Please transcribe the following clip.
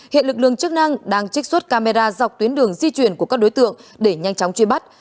hiện lực lượng chức năng đang trích xuất camera dọc tuyến đường di chuyển của các đối tượng để nhanh chóng truy bắt